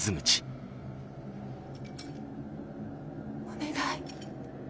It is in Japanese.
お願い